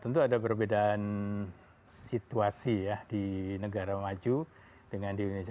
tentu ada perbedaan situasi ya di negara maju dengan di indonesia